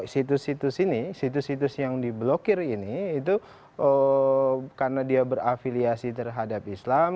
situs situs ini situs situs yang diblokir ini itu karena dia berafiliasi terhadap islam